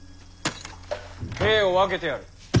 兵を分けてやる。